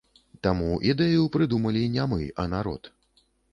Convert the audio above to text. Таму ідэю прыдумалі не мы, а народ.